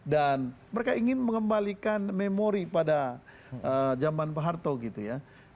dan mereka ingin mengembalikan memori pada zaman pak harto gitu ya